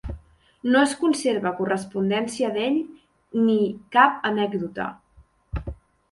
No es conserva correspondència d'ell ni cap anècdota.